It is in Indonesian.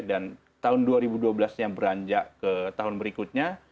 dan tahun dua ribu dua belas nya beranjak ke tahun berikutnya